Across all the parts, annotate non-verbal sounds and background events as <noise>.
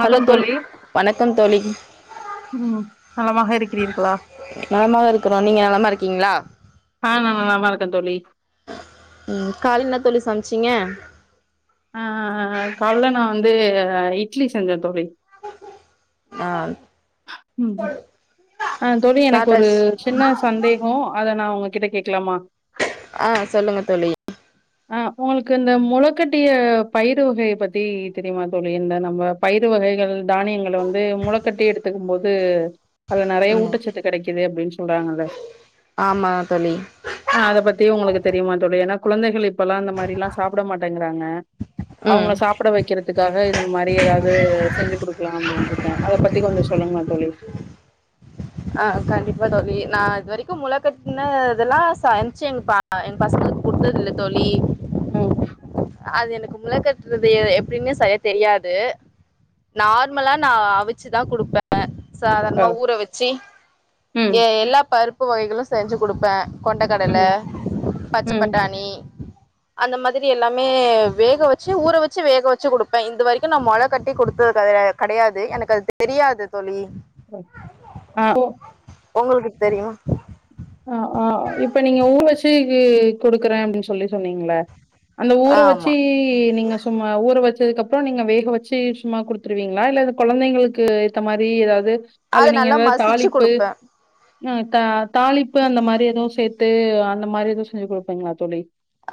Hello தோழ் தோழி வணக்கம் தோழி ம் நலமாக இருக்கிறீர்களா நலமாக இருக்கறோ நீங்க நலமா இருக்கீங்களா ஆ நா நலமா இருக்கே தோழி உம் காலல என்ன தோழி சமைச்சீங்க. ஆஹ் ஆஹ் ஆஹ் காலல நா வந்து இட்லி செஞ்ச தோழி ஆஹ். ம் தோழி எனக்கு ஒரு சாப்டாச்சு சின்ன சந்தேக அத நா உங்ககிட்ட கேக்கலாமா ஆஹ் சொல்லுங்க தோழி. அஹ் உங்களுக்கு இந்த மொளக்கட்டிய பயிறு வகை பத்தி தெரியுமா தோழி இந்த நம்ம பயிறு வகைகள் தானியங்கள வந்து மொளக்கட்டி எடுத்து கத்துக்கும்போது. அதுல நறைய ம் ஊட்டச்சத்து கெடைக்கு இது அப்புடின்னு சொல்றாங்கல்ல. ஆமா தோழி ஆஹ் அத பத்தி உங்குளுக்கு தெரியுமா தோழி ஏன்னா குழந்தைகள் இப்பெல்லா இந்த மாரி எல்லா சாப்பிட மாட்டேங்கிறாங்க. ம் அவங்கள சாப்பிட வைக்கிறதுக்காக இது மாதிரி ஏதாவது செஞ்சு கொடுக்கலா அப்டினு இருக்கே அதை பத்தி கொஞ்ச சொல்லுங்க தோழி. ஆஹ் கண்டிப்பா தோழி நா இது வரைக்கு முளைக்கட்ன இதெல்லா சமிச்சு எங்க எங்க பசங்களுக்கு குடுத்தது இல்ல தோழி. உம் அது எனக்கு முள கட்டுறது எ எப்படின்னு செய்ய தெரியாது நார்மலா நா அவிச்சுதா குடுப்பே அ சாதாரணமா ஊற வெச்சு ம் எ-எல்லா பருப் உப்பு வகைகளு செஞ்சு கொடுப்பே கொண்டக்கடல ம் பச்சப் ம் பட்டாணி அந்த மாதிரி எல்லா மே வேக வெச்சு ஊற வெச்சு வேக வெச்சு குடுப்பே இது வரைக்கு நா மொள கட்டி குடுத்தது கெடையாது எனக்கு அது தெரியாது தோழி அ ஓ உங்களுக்கு தெரியு அ அ இப்ப நீங்க ஊர வெச்சு கி குடுக்குறே அப்டின்னு சொல்லி சொன்னீங்கள அந்த ஊர ஆமா வெச்சு நீங்க சும்மா ஊர வெச் சதுக்கப்புறோ நீங்க வேக வெச்சு சும்மா கொடுத்துருவீங்களா இல்ல கொழந்தைங்களுக்கு இருக்கர மாதிரி எதாவது அது அதுல நீங்க நல்லா ஏதாவது மசிச்சு தாளிப்பு குடுப்பே ம் த்த தாளிப்பு அந்த மாரி எதவு சேத்து அந்த மாரி எதவு செஞ்சுக் குடுப்பிங்களா தோழி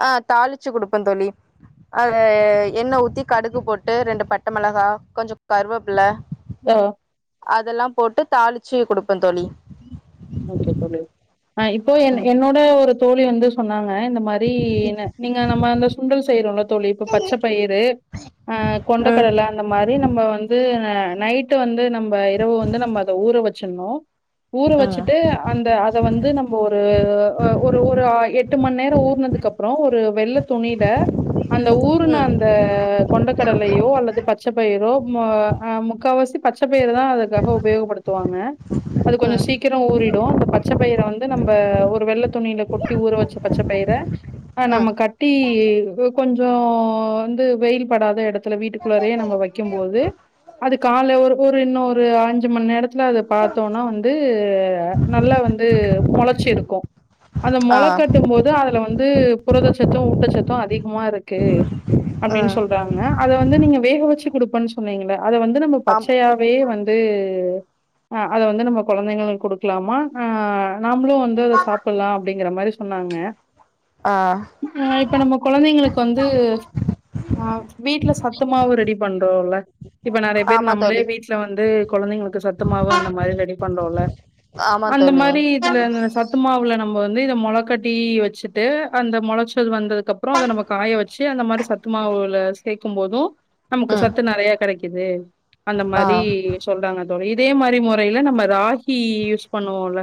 அ தாளிச்சு குடுப்பே தோழி அத என்ன ஊத்தி கடுகு போட்டு ரெண்டு பட்ட மிளக கொஞ்சோ கருவப்புல அ அதெல்லா போட்டு தாளிச்சு குடுப்பே தோழி ஓகே தோழி அ இப்போ ம் என்-என்னோட ஒரு தோழி வந்து சொன்னாங்க அ இந்த மாரி என்ன நீங்க நம்ம அந்த சுண்டல் செய்யறோம்ல தோழி இப்ப பச்ச பயிறு அ ம் கொண்டக்கடல அந்த மாரி நம்ம வந்து அ நைட்டு வந்து நம்ம இரவு வந்து நம்ம அத ஊற வச்சிர்ணு ஊற வச்சுட்டு அந்த அத வந்து நம்ம ஒரு அ ஒரு ஒரு எட்டு மணி நேரோ ஊறனதுக்கு அப்புறோ ஒரு வெள்ள துணில அந்த ஊருன அந்த ம் கொண்ட கடலையோ அல்லது பச்ச பயிரோ ம் ஹா அ முக்காவாசி தட்ட பயிறு தா அதுக்காக உபயோகப்படுத்துவாங்க கொஞ்சோ ம் சீக்கிரோ ஊறிடு இந்த பச்ச பயிரை வந்து நம்ப ஒரு வெள்ள துணியில கொட்டி ஊற வச்ச பச்ச பயிரை ம் நம்ம கட்டி கொஞ்சோ வந்து வெயில் படாத எடத்துல வீட்டுக்குள்ளரே நம்ம வைக்கு போது அது காலு ஒரு ஒரு இன்னு ஒரு அஞ்சு மணி நேரத்துல அத பாத்தோன்னா வந் து நல்லா வந்து மொளைச்சி இருக்கு அத ஆ மொளை கட்டும் போது அதுல வந் ந்து புரதச்சத்து ஊட்டச்சத்து அதிக்மா இருக்கு அப்டின் ம் சொல்றாங்க அத வந்து நீங்க வேக வச்சு குடுப்பன் சொன்னீங்ள அத வந்து நம்ம ஆமா பச்சயாவே வந்து அ அத வந்து நம்ம கொழந்தைங்களுக் குடுக்லாமா அ நா நாம்புளு வந்து அத சாப்புட்லா டிங்குற மாரி சொன்னாங்க ஆ அ இப்ப நம்ம கொழந்தைங்களுக் ப்ப வந்து ஆ வீட்ல சத்து மாவு ரெடி பண் <unintelligible> இப்ப நறைய பேர் ஆமா நம்ளே தோழி வீட்ல வந்து குழந்தைங்களுக் க்கு சத்துமாவு அந்த மாரி ரெடிப் பண்றோல்ல ஆமா அந்த தோழி மாரி இதுல சத்து இந்த மாவுல நா நம்போ வந்து இந்த மொளக்கட்டி வெச்சுட்டு அந்த மொளச்சது வந்ததுக்கு அப்புறோ அத நம்ப காய வச்சு அந்த மாரி சத்துமாவுல சேக்கும் போதூ நமக்கு ம் சத்து நறைய கடைக் க்கிது அந்த ஆ மாரி சொல்றாங்க அத் தோ க இதே மாரி முறையில நம்ம ராகி யூஸ் பண்ணுவோல்ல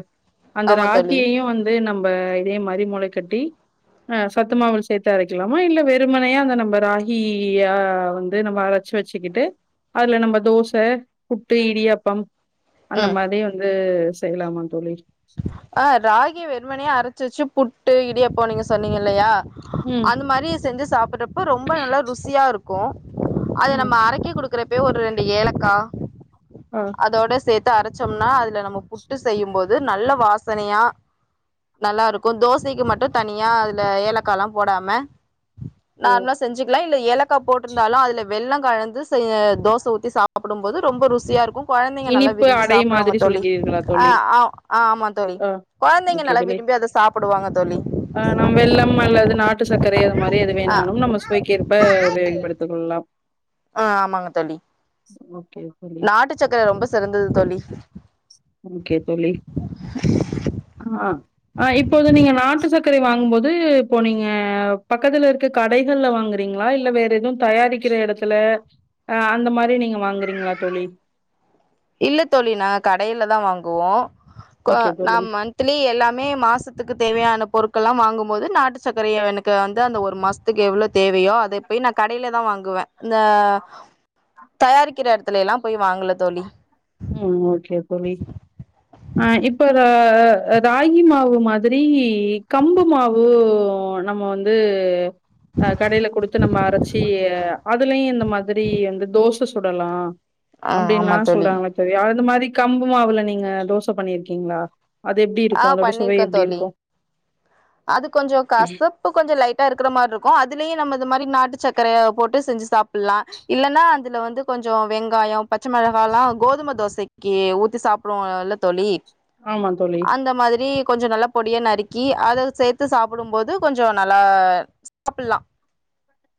அந்த ஆமா தோழி ராகியையு வந்து நம்ப இ தே மாரி முளை கட்டி அ சத்து மாவுல் சேத்து அரைக்கிலாமா இல்ல வெறுமனையா அந்த நம்ப ராகி யா வந்து நம்ப அரச்சி வெச்சிட்டு அதுல நம்ப தோச புட்டு இடியாப்பம் அந்த ம் மார் றைய வந்து செய்லாமாந் தோழி ஆ ராகி வெறுமனா அரச்சு வெச்சு புட்டு இடியாப்போ நீங்க சொன்னீங்க இல்லையா ம், அந்த மாரி செஞ்சஸ் சாப்புர்றப் ப ரொம்பொ நல்லா ருசியா இருக் க்கு அத ம். நம்ம அரைக்க குடுக் க்குறப்பயே ஒரு ரெண்டு ஏலக்கா ஆ. அதோட சேத் டு அரச்சொம்னா அதுல நம்ம ஃபுட்டு செய்யும் போது நல்ல வாஸ் சனையா நல்லா இருக்கு தோசைக்கு மட்டு தனியா அதுல ஏலக்கால்லா போடாம ஓ! நார்மலா செஞ்சுக்லா இதுல ஏலக்கா போட்ருந்தாலு அதுல வெல்லோ கலந்து செய் தோச ஊத்தி சாப்டும் போது ரொம்ப ருசியா இருக்கு கொழந்தைங்க நல்லா இனிப்பு விரும்பி அடை சாப்டுவாங்க மாதிரி தோழி சொல்கிறீர்களா ஆ தோழி? ஆ ஆ ஆமா தோழி ஆ, கொழந்தைங்க நல்லா விரும்பி அத சாப் டுவாங்க தோழி ஆ நம் வெல்லம் அல்லது நாட்டு சர்க் கரை அது மாரி எது ஆ வேணாலு நம்ம சுவைக்கேற்ப உபயோகப்படுத்தி கொள்ளலாம் ஆ ஆமாங்க தோழி ஓகே தோழி. நாட்டு சக்கர ரொம்ப சிறந்தது தோழி ஓகே தோழி ஆ ஆ இப்போது நீங்க நாட்டு சர்க்கரை வாங்கும் போது இப்போ நீங்க பக்கத்துல இருக்க கடைகள்ல வாங்குறீங்களா இல்ல வேற எதுவு தயாரிக்கிற எடத்துல ஆ அந்த மாரி நீங்க வாங்குறீங்களா தோழி இல்ல தோழி நாங்க கடையிலதா வாங்குவோ கோ ஓகே நா தோழி. மந்த்லி எல்லாமே மாசத்துக்கு தேவையான பொருட் கள்ல்லா வாங்கும்போது நாட்டு சக்கரைய எனக்கு வந்து அந்த ஒரு மாஸ்துக்கு எவ்ளோ தேவையோ அதை போய் நா கடைலதா வாங்குவே இந்த தயாரிக்கிற எடத்துல எல்லா போய் வாங்கல தோழி ம் ஓகே தோழி ஆ இப்ப ராகி மாவு மாதிரி கம்பு மாவு நம்ம வந்து அ கடைல குடுத்து நம்ம அரச்சி அ அதுலயும் இந்த ம் மாதிரி அந்த தோஸ் ச சுடலா ஆ ஆமா அப்டின்ல்லா தோழி சொல்றாங்களை ப்டியே அந்த மாரி கம்பு மாவுல நீங்க தோச பண்ணிருக்கீங்களா ஆ பண்ணிருக்கன் தோழி அது கொஞ்சோ கசப்பு கொஞ்சோ லைட்டா இருக்குற மாரி இருக்கும் அதுலயும் நம்ம இது மாரி நாட்டு சர்க்கரைய போட்டு செஞ்சு சாப்புட்லா இல்லன்னா அதுல வந்து கொஞ்சோ வெங்காயம் பச்ச மிளகால்லா கோதும தோசைக்கி ஊத்தி சாப்புடுவோல்ல தோழி ஆமாங் அந்த மாதிரி கொஞ்சோ நல்லா பொடிய நறுக்கி அத சேத்து சாப்புடும்போது கொஞ்சோ நல்லா சாப்புல்லா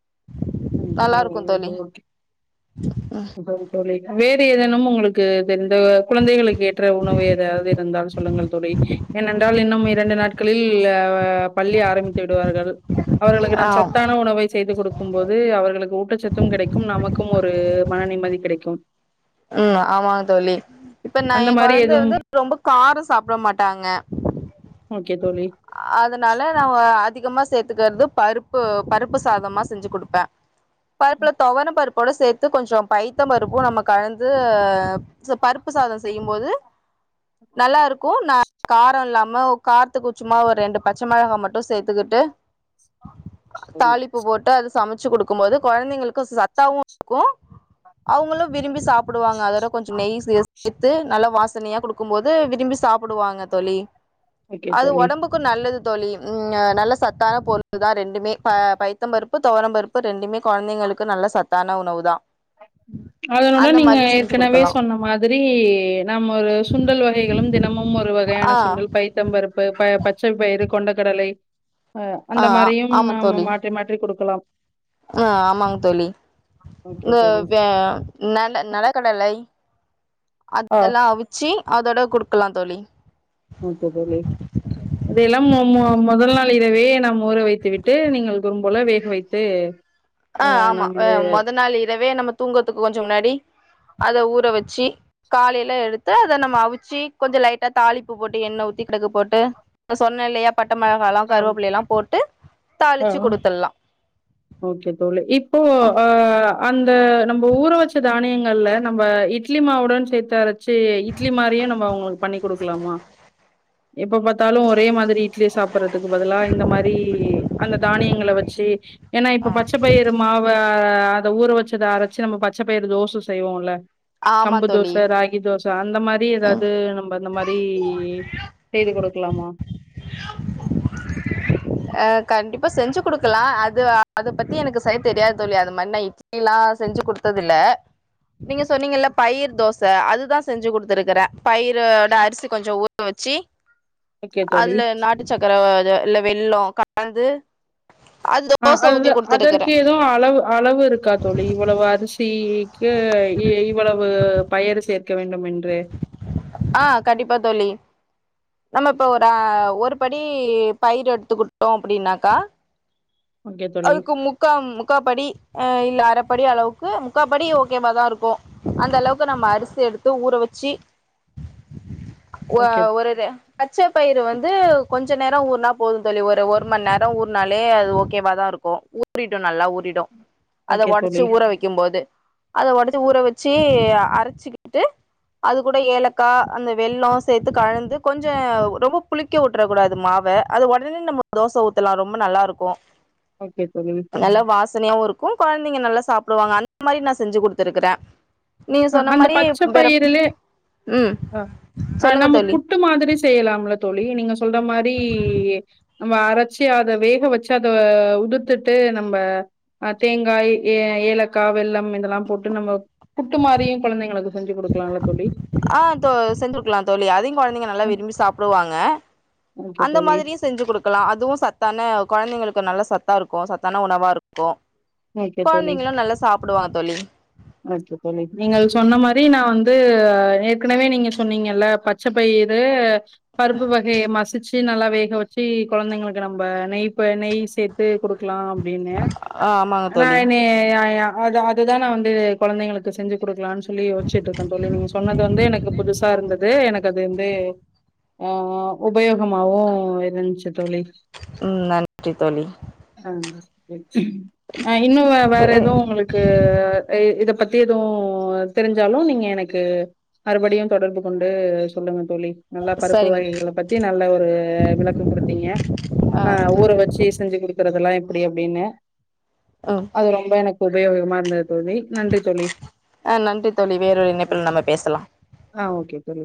<unintelligible> தோழி வேறு எதேன்னும் உங்குளுக்கு எந்த குழந்தைகளுக்கு ஏற்ற உணவு ஏதாவது இருந்தால் சொல்லுங்கள் தோழி ஏனென்றால் இன்னும் இரண்டு நாட்களில் பள்ளி ஆரம்பித்து விடுவார்கள் அவர்களுக்கு ஆ நாம் சத்தான உணவை செய்து குடுக்கும் போது து அவர்களுக்கு ஊட்டச்சத்தும் கிடைக்கும் நமக்கும் ஒரு மன நிம்மதி கிடைக்கும் ம் ஆமாங்க தோழி இப்ப நா அந்த ஏ மாரி கொழந்தை எதுவும் வந்து ரொம்ப காரம் சாப்ட மாட்டாங்க ஓகே தோழி அதனால நா அதிகமா சேத்துக்குறது பருப்பு பருப்பு சாதமா செஞ்சி குடுப்பே பருப்புல தொவரம் பருப் ட சேத்து கொஞ்ச பைத்த பருப்பும் நம்ம கலந்து பருப்பு சாத செய்யும்போது நல்லா இருக்கும் ந காரோ இல்லாம காரத்துக்கு சும்மா ஒரு ரெண்டு பச்சை மிளகா மட்டு சேத்துக்கிட்டு தோழி தாளிப்பு போட்டு அது சமைச்சு கொடுக்கும் போது கொழந்தைங்களுக்கு சத்தாவும் இருக்கும் அவுங்களும் விரும்பி சாப்புடுவாங்க அதோட கொஞ்ச நெய் சேத்து நல்ல வாசனையா குடுக்கும்போது விரும்பி சாப்புடுவாங்க தோழி ஓகே அது தோழி ஒடம்புக்கு நல்லது தோழி நல்ல சத்தான பொருள் தான் ரெண்டுமே பல பைத்த பருப்பு தோர பருப்பு ரெண்டுமே கொழந்தைங்களுக்கு நல்ல சத்தான உணவு தான் அதனுட அந்த நீங்க மாரி செஞ்சு ஏற்கனவே குடுக்கலாம் சொன்ன மாதிரி நம்ம ஒரு சுண்டல் வகைகளும் தினமும் ஒரு ஆ வகையான சுண்டல் பைத்தம்பருப் பு பச்சை பயிறு கொண்டக்கடலை ஆஹ் ஆ அந்த மாரியும் நாம மாற்றி மாற்றி கொடுக்கலாம் ஆஹ் ஆமாங்க தோழி ஓகே தோழி. <unintelligible> வ நல்ல நலக்கடலை ஆ அதோட குடுக்கலாம் தோழி ஓகே தோழி இதெல்லாம் முத நாள் இதவே நம் ஊற வைத்து விட்டு நீங்கள் குறும்போல வேக வைத்து ஆஹ் அ ஆமா நாம் அது மொதல் நாள் இரவே நம்ம தூங்கத்துக்கு கொஞ்சோ முன்னாடி அத ஊற வச்சு காலையிலா எடுத்தா அத நம்ம அவிச்சு கொஞ்சம் லைட்டா தாளிப்பு போட்டு எண்ணெய் ஊத்தி கடுகு போட்டு சொன்ன இல்லையா பட்ட மிளகாயல்லாம் ஆம். கருவேப்பிலை எல்லாம் போட்டு ஆ தாளிச்சு ஆ குடுத்துடலாம் ஓகே தோழி இப்போ ஹ அந் அத நம்ம ஊற வச்ச தானியங்கள்ல நம்ப இட்லி மாவுடன் சேர்த்து அரைச்சு இட்லி மாதிரியே நம்ம அவங்களுக்கு பண்ணி கொடுக்கலாமா எப்ப பாத்தாலும் ஒரே மாதிரி இட்லி சாப்டுறதுக்கு பதிலா இந்த மாதிரி அந்த தானியங்களை வச்சு ஏனா இப்ப ஆ பச்ச பயறு மாவு அத ஊற வச்சத அரைச்சு நம்ம பச்சை பயிறு தோசை செய்வோம்ல்ல ஆமா கம்பு தோழி தோசை ராகி தோசை அந்த மாரி ம் ஏதாவது நம்ம அந்த மாரி செய்து கொடு க்கலாமா அஹ் கண்டிப்பா செஞ்சு கொடுக்கலாம் அது அத பத்தி எனக்கு செரியா தெரியாது தோழி அது மாதிரி நான் இட்லில்லாம் செஞ்சு கொடுத்தது இல்ல நீங்க சொன்னீங்கல்ல பயிர் தோ ச அதுதான் செஞ்சு குடுத்துருக்கறேன் பயிரோட அரிசி கொஞ்சம் ஊற வச்சு ஓகே தோழி இல்ல நாட்டு சக்கர இல்ல வெள்ளம் கந்து ஆ அது அதற்கு எதுவும் அளவு அளவு இருக்கா தோழி இவ்வளவு அரிசி க்கு இவ்வளவு பயர் சேர்க்க வேண்டும் என்று ஆ கண்டிப்பா தோழி நம்ம இப்ப ஒரு ஒரு படி பயிரு எடுத்துக்கிட்டோம் அப்படின்னாக்கா ஓகே தோழி அதுக்கு முக்கா முக்கா படி ஆ இல்ல அற படி அளவுக்கு முக்கா படி ஓக்கேவா தா இருக்கும் அந்த அளவுக்கு நம்ம அரிசி எடுத்து ஊற வச் ட்சி ஓ ஓகே ஒருரு பச்சை பயிறு வந்து கொஞ்சம் கொஞ்ச நேரம் ஊர்னா போதும் தோழி ஒரு மணி நேரம் ஊர்னாலே அது ஓகேவாாதான் இருக்கும் ஊறிடும் நல்லா ஊறிடும் அதை ஓகே உடச்சு தோழி ஊற வைக்கும் போது அதை உடைச்சு ஊற வச் சி அரைச்சிக்கிட்டு அது கூட ஏலக்கா அந்த வெல்லம் சேர்த்து கலந்து கொஞ்சம் ரொம்ப புளிக்க உட்டுற கூடாது மாவ அது உடனே நம்ம தோசை ஊத்தலாம் ரொம்ப நல்லா இருக்கும் ஓகே தோழி நல்ல வாசனையாவு இருக் க்கும் குழந்தைங்க நல்லா சாப்புடுவாங்க அந்த மாரி நான் செஞ்சு கொடுத்துருக்கறேன் அந்த பச்சை பயிரலே ம் ஆ ஆ சொல்லுங்க நம்ம தோழி புட்டு மாதிரி செய்யலாம்ல தோ தோழி நீங்க சொல்ற மாரி நம்ம அரைச்சி அத வேக வச்சு அத உதுத்துட்டு நம்ம தேங்காய் ஏலக்கா வெள்ளம் இதெல்லாம் போட்டு நம்ம புட் ட்டு மாறிம் குழந்தைகளுக் ஆ தோ செஞ்ச கொடுக்கலாம் தோழி அதையும் குழந்தைங்க நல்லா ம். விரும்பி சாப்புடுவாங்க ஓகே அந்த தோழி மாதிரியும் செஞ்சு கொடுக்கலாம் அதுவும் சத்தான குழந்தைங்களுக்கு நல்லா சத்தா இருக்கும் சத்தான உணவா இருக்கும் ஓகே தோழி குழந்தைங்களும் நல்லா சாப்புடுவாங்க தோழி ஓகே தோழி நீங்கள் சொன்ன மாரி நான் வந்து து ஏற்கனவே நீங்க சொன்னீங்கல்ல பச்சை பயுறு பருப்பு வகய மசிச் <unintelligible> நல்லா வேக வச்சு குழந்தைங்களுக்கு நம்ம நெய் நெய் சேர்த்து கொடு க்கலாம் அப்படின்னு ஆ ஆமாங்க ஆனா தோழி என்னய யா ய அது அதுதானே நா வந் து குழந்தைளுக்கு செஞ்சி கொடுக்கலானு சொல் சொல்லி யோசிச்சுட்டு இருக்கேன் தோழி நீங்க சொன்னது வந்து எனக்கு புதுசா இருந்தது எனக்கு அது வந்து ஆ உபயோகமாவவும் இருந்துச்சு தோழி ம் நன்றி தோழி <unintelligible> ஆ இன்னு வே வேற எதுவு உங்களுக்கு இ இதப் பத்தி எதுவு தெரிஞ்சாலு நீங்க எனக்கு மறுபடியு தொடர்பு கொண்டு சொல்லுங்க தோழி நல்லா பருப்பு சரிங்க வகைகளப் பத்தி நல்ல ஒரு விளக்கொ குடுத்தீங்க ஆ ஊர வெச்சி செஞ்சி குடுக்குறதெல்லா ப்டி அப்டினு அது ரொம்ப எனக் உபயோகமா இருந்தத் அ நன்றி தோழி வேறொரு இணைப்புல நம்ம பேசலா ஆ ஓகே தோழி